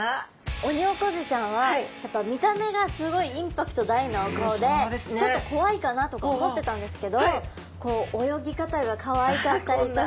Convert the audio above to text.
オニオコゼちゃんはやっぱ見た目がすごいインパクト大なお顔でちょっと怖いかなとか思ってたんですけど泳ぎ方がかわいかったりとか。